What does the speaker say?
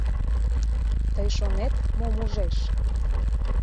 Тый шонет, мом ужеш?